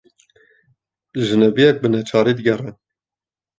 Jinebiyek bi neçarî diğere